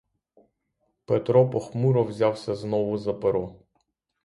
Петро похмуро взявся знову за перо.